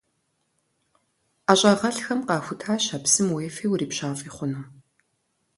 Ӏэщӏагъэлӏхэм къахутащ а псым уефи урипщафӏи хъуну.